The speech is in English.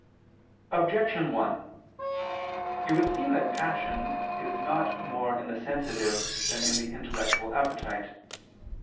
Objection 1: It would seem that passion is not more in the sensitive than in the intellectual appetite.